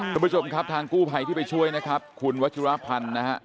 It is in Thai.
คุณผู้ชมครับทางกู้ภัยที่ไปช่วยนะครับคุณวัชรพันธ์นะฮะ